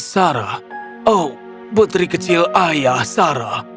sarah oh putri kecil ayah sarah